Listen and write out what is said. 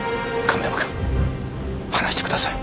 亀山くん離してください。